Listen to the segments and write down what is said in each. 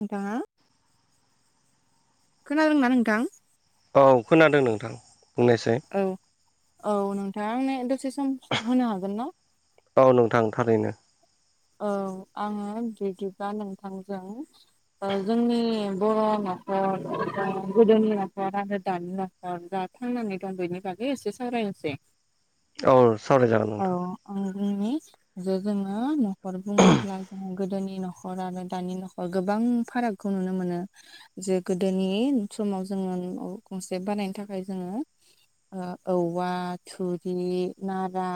नोंथाङा खोनादोंना नोंथां? औ खोनादों नोंथां बुंनायसाय औ औ नोंथाङा आंनो दसे सम होनो हागोन ना? औ नोंथां थारैनो औ आङो बिदिबा नोंथांजों ओ जोंनि बर' नखर जों गोदोनि नखर आरो दानि नखर अ दा थांनानै दं बेनि बागै एसे सावरायनोसै औ सावराय जागोन औ नोंथां आं बुंनि जे जोङो न'खर बुङोब्ला जों गोदोनि न'खर आरो दानि न'खराव गोबां फारागखौ नुनो मोनो। जे गोदोनि समाव जोङो न' गंसे बानायनो थाखाय जोङो ओ औवा थुरि नारा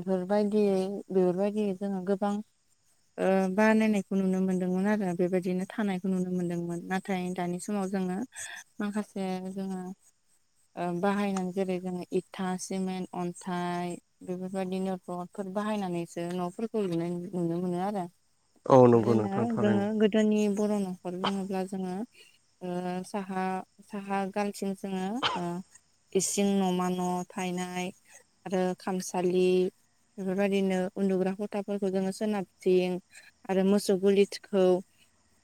बेफोरबायदियै बेफोरबायदि जोङो गोबां ओ बानायनायखौ नुनो मोन्दोंमोन आरो बेबायदिनो थानायखौ नुनो मोन्दोंमोन ना थाय दानि समाव जोङो माखासे जोङो ओ बाहायनान जेरै जोङो इथा सिमेन्ट अन्थाइ बेफोरबायदिनो रद फोर बाहायनानैसो न'फोरखौ लुनाय नु नुनो मोनो आरो औ नंगौ बिदिनो नोंथां थारैनो जोंङो गो दोनि बर' न'खर बुङोब्ला जोंङो ओ साहा साहा गालथिं जोंङो इसिं न'मा न' थायनाय आरो खामसालि बेफोरबायदिनो उन्दुग्रा गथाफोर खौ जोंङो सोनाबथिं आरो मोसौ गुलिखौ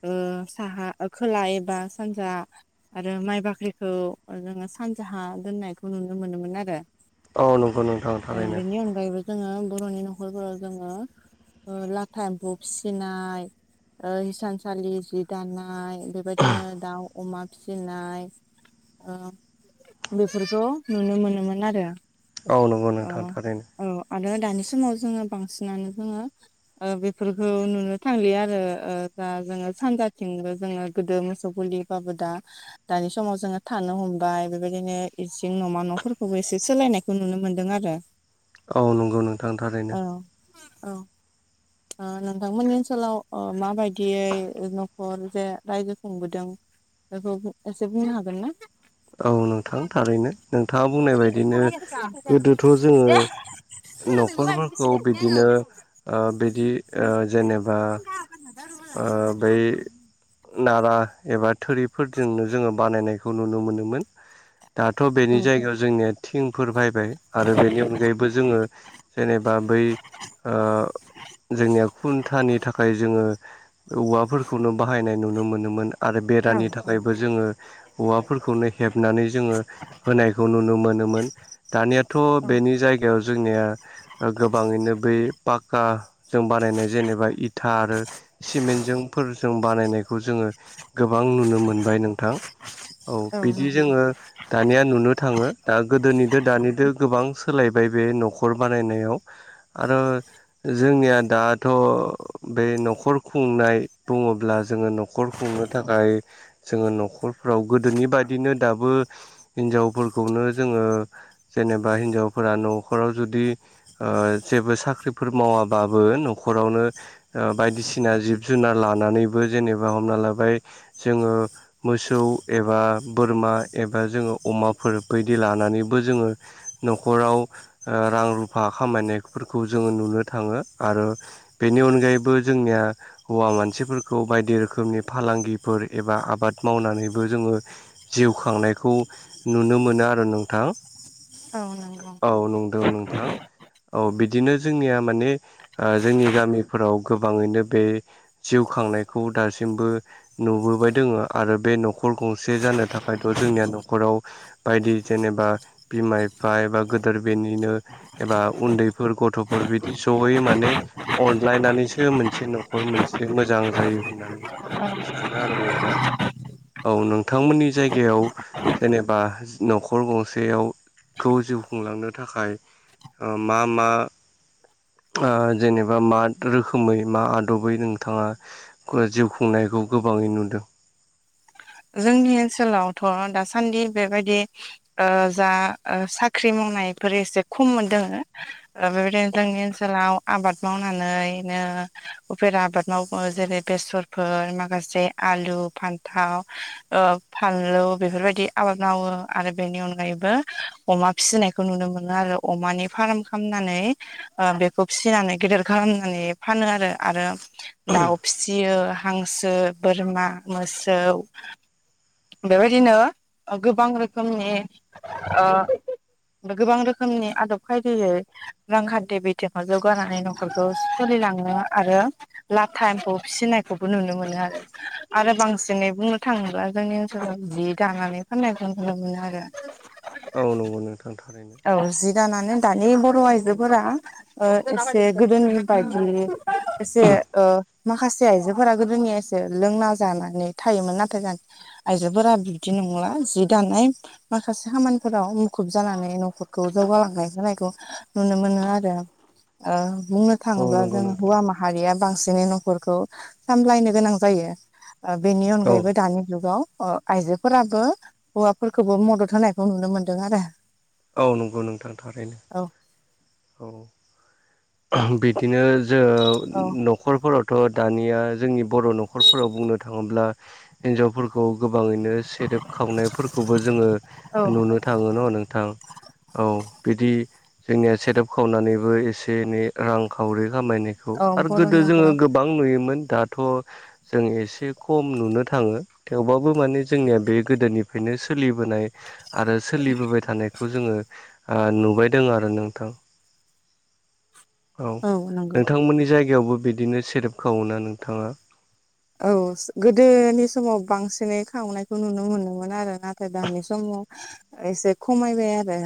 ओ साहा खोला एबा सानजा आरो माइ बाख्रिखौ जोंङो सानजाहा दोननायखौ नुनो मोनोमोन आरो। औ नंगौ नोंथां थारैनो बेनि अनगायैबो जोंङो बर'नि न'खरफोरा जोंङो लाथा एमफौ फिसिनाय ओ हिसानसालि जि दानाय बेबायदिनो दाउ अमा फिसिनाय ओ बेफोरखौ नुनो मोनोमोन आरो। औ नंगौ नोंथां थारैनो औ आरो दानि समाव जोंङो बांसिनानो जोंङो ओ बेफोरखौ नुनो थांलि आरो दा जोंङो सानजाथिंबो जोंङो गोदो मोसौ गलि ओमबाबो दा दानि समाव जोंङो थानो हमबाय बेबायदिनो इसिं न'मा न'फोरखौबो एसे सोलायनाय खौ नुनो मोन्दों आरो। औ नंगौ नोंथां औ थारैनो औ ओ नोंथांमोननि ओनसोलाव माबायदियै न'खर जे रायजो खुंबोदों। बेखौ एसे बुंनो हागोन ना। औ नोंथां थारैनो नोंथाङा बुंनाय बायदिनो गोदोथ' जोंङो न'खरफोरखौ बिदिनो बिदि जेनेबा ओ बै नारा एबा थोरि फोरजोंनो जोंङो बानायनायखौ नुनो मोनोमोन दाथ' औ बेनि जायगायाव जोंनिया थिंफोर बायबाय आरो बेनि अनगायैबो जोंङो जेनेबा बै जोंनिया खुन्थानि थाखाय जोंङो औवाफोरखौनो बाहायनाय नुनो मोनोमोन आरो औ बेरनि थाखायबो जोंङो औवाफोरखौनो हेबनानै जोंङो होनायखौ नुनो मोनोमोन दानियाथ' औ बेनि जायगायाव जोंनिया ओ गोबाङैनो बै पाक्काजों बानायनाय जेनेबा इथा आरो सिमेन्टजोंफोरजों बानायनायखौ जोंङो गोबां नुनो मोनबाय नोंथां औ औ बिदि नंगौ जोंङो दानिया नुनो थाङो दा गोदोनिजों दानिजों गोबां सोलायबाय बे न'खर बानायनायाव आरो जोंनिया दाथ' बे न'खर खुंनाय बुङोब्ला जोंङो न'खर खुंनो थाखाय जोंङो न'खरफ्राव गोदोनि बायिनो दाबो हिनजावफोरखौनो जोंङो जेनेबा हिनजावफोरा न'खराव जुदि ओ जेबो साख्रिफोर मावाबाबो न'खरावनो बायदिसि ना जिब जुनार लानानैबो जेनेबा हमना लाबाय जोंङो मोसौ एबा बोरमा एबा जोंङो अमाफोर बायदि लानानैबो जोंङो न'खराव रां रुफा खामायनायफोरखौ जोंङो नुनो थाङो आरो बेनि अनगायैबो जोंनिया हौवा मानसिफोरखौ बायदि रोखोमनि फालांगिफोर एबा आबाद मावनानैबो जोंङो जिउ खांनायखौ नुनो मोनो आरो नोंथां। औ नंगौ औ नंदों नोंथां औ बिदिनो जोंनिया माने जोंनि गामिफोराव गोबाङैनो बे जिउ खांनायखौ दासिमबो नुबोबाय दोङो आरो बे न'खर गंसे जानो थाखायथ' जोंनिया न'खराव बायदि जेनेबा बिमा बिफा एबा गोदोर बेनिनो एबा उन्दैफोर गथ'फोर बिदि जयै माने अनलायनानैसो मोनसे न न'खर मोनसे मोजां जायो होननानै सानो आरो नोंथां। औ नोंथांमोननि जायगायाव जेनेबा न'खर गंसेयावखौ जिउ खुंलांनो थाखाय ओ मा मा जेनेबा मा रोखोमै मा दबै नोंथाङा जिउ खुंनायखौ गोबाङै नुदों। जोंनि ओनसोलावथ' दासान्दि बेबायदि ओ जा ओ साख्रि मावनायफोर एसे खम मोनदों। ओ बेबायदिनो जोंनि ओनसोलाव आबाद मावनानैनो उफेर आबाद मावो जेरै बेसरफोर माखासे आलु फान्थाव। ओ फानलु बेफोरबायदि आबाद मावो आरो बेनि अनगायैबो अमा फिनायखौ नुनो मोनो आरो अमानि फार्म खालामनानै ओ बेखौ फिनानै गेदेर खालामनानै फानो आरो आरो दाउ फियो हांसो बोरमा मोसौ। बेबायदिनो गोबां रोखोमनि ओ गोबां रोखोमनि आदब खायदायै रांखान्थि बिथिङाव जौगानानै न'खरखौ सोलिलाङो आरो लाथा एम्फौ फिनायखौबो नुनो मोनो आरो आरो बांसिनै बुंनो थाङोब्ला जोंनि ओनसोलाव जि दानानै फाननायखौ नुनो मोनो आरो। औ नंगौ नोंथां थारैनो। औ जि दानानै दानि बर' आयजोफोरा ओ एसे गोदोनि बायदि एसे ओ माखासे आइजोफोरा गोदोनिया लोंना जानानै थायोमोन नाथाय [unintelligible] आइजोफोरा बिदि नंला जि दानाय माखासे खामानिफोराव मुखुब जानानै न खौ जौगालांनाय होनायखौ नुनो मोनो आरो। ओ बुंनो औ थाङोब्ला नंगौ जों नोंथां हौवा माहारिया बांसिनै न'खरखौ सामलायनो गोनां जायो ओ बेनि औ अनगायैबो दानि जुगाव ओ आइजोफोराबो हौवाफोरखौबो मदद होनायखौ नुनो मोनदों आरो। औ नंगौ नोंथां थारैनो। औ। औ बिदिनो जो औ न'खरफोरावथ' दानिया जोंनि बर' न'खरफोराव बुंनो थाङोब्ला हिनजावफोरखौ गोबाङैनो सेरेब खावनायफोरखौबो जोङो औ नुनो थाङो न' नोंथां औ बिदि जोंनिया सेरेप खावनानैबो एसे एनै रां खावरि खामायनायखौ औ आरो गोदो बर'नि जोङो न'खराव गोबां नुयोमोन दाथ' जों एसे खम नुनो थाङो। थेवबाबो माने जोंनिया बे गोदोनिफ्रायनो सोलिबोनाय आरो सोलिबोबाय थानायखौ जोङो ओ नुबायदों आरो नोंथां। औ नोंथांमोननि जायगायावबो बिदिनो सेरेप खावोना नोंथाङा। औ गोदोनि समाव बांसिनै खावनायखौ नुनो मोनोमोन आरो नाथाय दानि समाव एसे खमायबाय आरो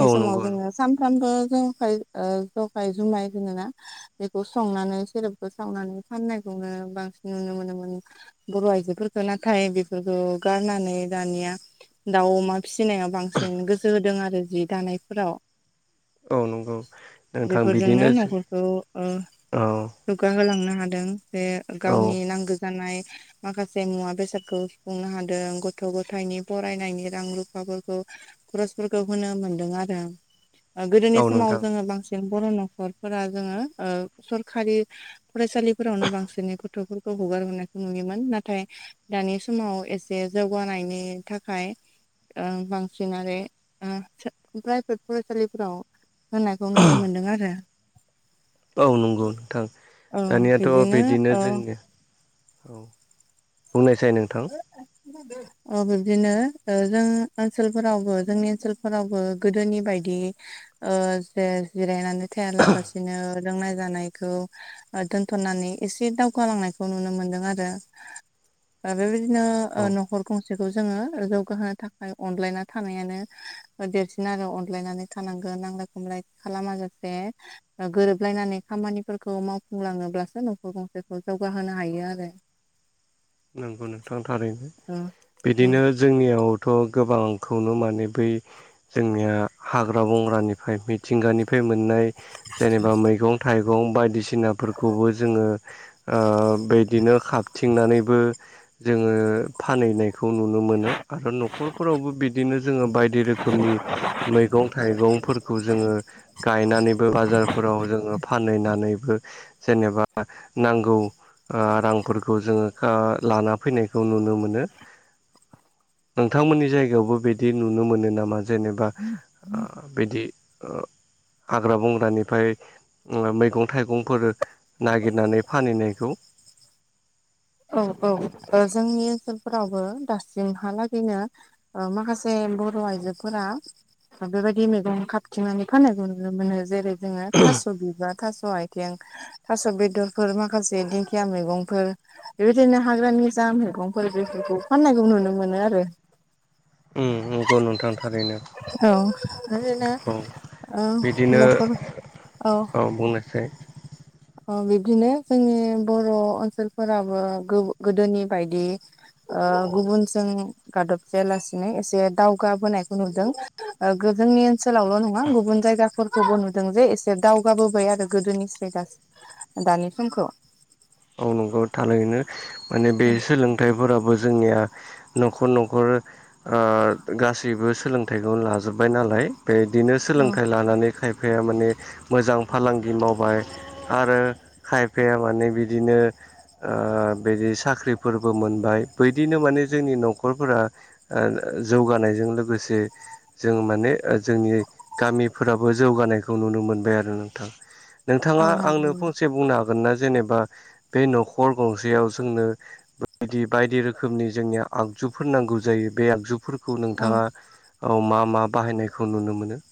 औ समाव नंगौ जोङो सानफ्रामबो जखाय ओ जखाय जुमाय [unintelligible] ना बेखौ संनानै सेरेबखौ सावनानै फाननायखौनो बांसिन नुनो मोनोमोन बर' आइजोफोरखो नाथाय बेफोरखौ गारनानै दानिया दाउ अमा फिनाया बांसिन गोसो होदों आरो जि दानायफोराव। औ नंगौ नोंथां बेफोरजोंनो बिदिनो न'खरखौ ओ औ जुगा होलांनो हादों जे औ गावनि नांगौ जानाय माखासे मुवा बेसादखौ सुफुंनो हादों गथ' गथायनि फरायनायनि रां रुफाफोरखौ खरसफोरखौ होनो मोनदों आरो गोदोनि औ समाव नोंथां जोङो बांसिन जों बर' न'खरफोरा जोङो ओ सरखारि फरायसालिफोरावनो बांसिनै गथ'फोरखौ हगारहरायखौ नुयोमोन नाथाय दानि समाव एसे जौगानायनि थाखाय ओं बांसिन आरो ओ प्राइभेट फरायसालिफोराव होनायखौ नुनो मोनदों आरो। औ नंगौ नोंथां औ दानियाथ' बिब्दिनो बिदिनो ओ जोंनि औ बुंनायसाय नोंथां। [inaudible] अ बिब्दिनो ओ जों ओनसोलफोरावबो जोंनि ओनसोलफोरावबो गोदोनि बायदि ओ जे जिरायनानै थायालाबासिनो लोंनाय जानायखौ दोनथ'नानै एसे दावगालांनायखौ नुनो मोनदों आरो ओ बेबायदिनो औ ओ नखर गंसेखौ जोङो जौगाहोनो थाखाय अनलायना थानायानो देरसिन आरो अनलायनानै थानांगोन नांलाय खमलाय खालामाजासे। ओ गोरोबलायनानै खामानिफोरखौ मावफुंलाङोब्लासो न'खर गंसेखौ जौगाहोनो हायो आरो। नोंगौ नोंथां थारैनो औ औ बिदिनो जोंनियावथ' गोबांखौनो माने बै जोंनिया हाग्रा बंग्रानिफ्राय मिथिंगानिफ्राय मोननाय जेनेबा मैगं थाइ गं बायदिसिनाफोरखौबो जोङो ओ बिदिनो खाबथिंनानै बो जोङो फानहैनाय खौ नुनो मोनो आरो न'खरफोरावबो बिदिनो जोङो बायदि रोखोमनि मैगं थाइगंफोरखौ जोङो गायनानैबो बाजारफोराव जोङो फानहैनानैबो जेनेबा नांगौ ओ रांफोरखौ जोङो आ लाना फैनायखौ नुनो मोनो। नोंथांमोननि जायगायावबो बिदि नुनो मोनो नामा जेनेबा आ बिदि ओ हाग्रा बंग्रानिफ्राय मैगं थाइगंफोर नागिरनानै फानहैनायखौ औ औ जोंनि ओनसोलफोरावबो दासिमहालागैनो ओ माखासे बर' आइजोफोरा बेबायदि मैगं खाबथिंनानै फाननायखौ नुनो मोनो जेरै जोङो थास' बिबार थास'हाय थिं थास' बेदरफोर माखासे दिंखिया मैगंफोर बेबायदिनो हाग्रानि जा मैगंफोर बेफोरखौ फान्नायखौ नुनो मोनो आरो। उम नंगौ नोंथां थारैनो। औ ओरैनो औ ओ बिदिनो न'खर औ। औ बुंनायसाय। ओ बिदिनो जोंनि बर' ओनसोलफोराबो गो-गोदोनि बायदि ओ गुबुनजों गादब जायालासिनो एसे दावगाबोनायखौ नुदों ओ जोंनि ओनसोलावल' नङा गुबुन जायगा फोरखौबो नुदों जे एसे दावगाबोबाय आरो गोदोनिसाय गासै दानि समखौ औ नंगौ थारैनो माने बे औ सोलोंथाइफोराबो जोंनिया न'खर न'खर ओ गासैबो सोलोंथाइखौनो लाजोब्बाय नालाय। बेदिनो सोलोंथाइ लानानै खाय फाया माने मोजां फालांगि मावबाय आरो खायफाया माने बिदिनो ओ बिदि साख्रिफोरबो मोनबाय बैदिनो माने जोंनि न'खरफोरा ओ ओ जौगानायजों लोगोसे जों माने ओ जोंनि गामिफोराबो जौगानायखौ नुनो मोनबाय आरो नोंथां। औ नोंथाङा नंगौ आंनो नंगौ फंसे बुंनो हागोनना जेनेबा बे न'खर गंसेयाव जोंनो बिदि बायदि रोखोमनि जोंनिया आगजुफोर नांगौ जायो बे आगजुफोर खौ औ नोंथाङा मा मा बाहायनायखौ नुनो मोनो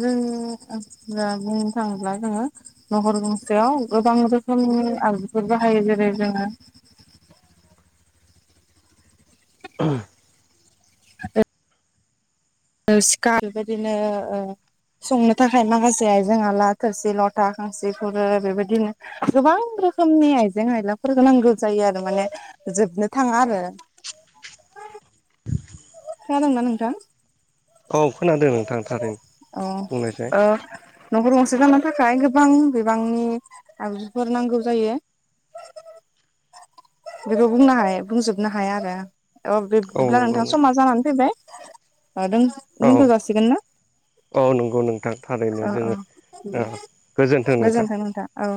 जों [unintelligible] बुंनो थाङोब्ला जोङो नखर गंसेयाव गोबां रोखोमनि आगजुफोर बाहायो जेरै जोङो [unintelligible] ओ सिखा बेबायदिनो ओ संनो थाखाय माखासे आयजेंहा आला थोरसि लथा खांसि खुरै बेबायदिनो गोबां रोखोमनि आइजें आयलाफोर नांगौ जायो आरो माने जोबनो थाङा आरो। खोनादोंना नोंथां? औ खोनादों नोंथां थारैनो औ बुंनायसाय। ओ न'खर गंसे जानो थाखाय गोबां बिबांनि आगजुफोर नांगौ जायो। बेखौ बुंनो हाय बुंजोबनो हाया आरो। औ बिब्दिब्ला नोंथां समा जानानै फैबाय औ दोनथ' जासिगोन ना? औ नंगौ नोंथां थारैनो औ औ जोङो ओ दे गोजोनथों नोंथां औ।